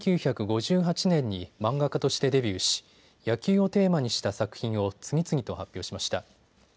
１９５８年に漫画家としてデビューし野球をテーマにした作品を次々と発表しました。